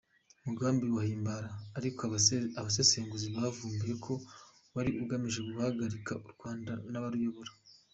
Umugambi wa Himbara ariko abasesenguzi bavumbuye ko wari ugamije guharabika u Rwanda n’abaruyobora.